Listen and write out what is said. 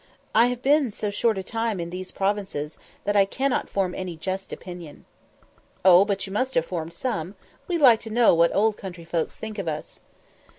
"I have been so short a time in these provinces, that I cannot form any just opinion." "Oh, but you must have formed some; we like to know what Old Country folks think of us."